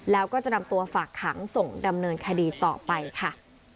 แล้วก็จะนำตัวฝากขังส่งดำเนินคดีต่อไปค่ะ